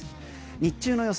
日中の予想